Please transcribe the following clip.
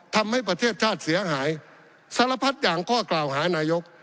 ทำให้ประเทศชาติเสียหายสารพัดอย่างข้อกล่าวหานายก